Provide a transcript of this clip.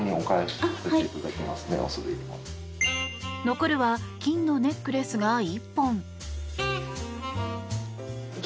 残るは金のネックレスが１本。